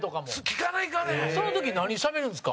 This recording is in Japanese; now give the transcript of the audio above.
陣内：その時何しゃべるんですか？